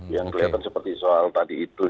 yang kelihatan seperti soal tadi itu